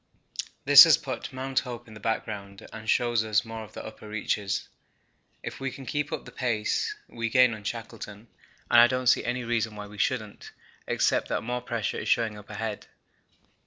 This has put Mount Hope in the background and shows us more of the upper reaches. If we can keep up the pace, we gain on Shackleton, and I don't see any reason why we shouldn't, except that more pressure is showing up ahead.